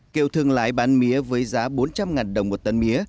kiều thương lái bán mía với giá bốn trăm linh ngàn đồng một tấn mía